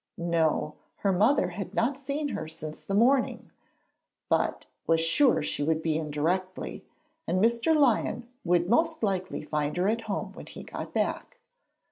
No; her mother had not seen her since the morning, but was sure she would be in directly, and Mr. Lyon would most likely find her at home when he got back.